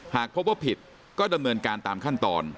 หากพบว่าผิดก็ดำเนินการตามขั้นตอน